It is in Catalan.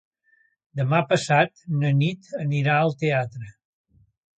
Demà passat na Nit anirà al teatre.